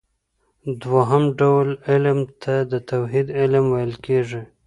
دوهم ډول علم ته د توحيد علم ويل کېږي .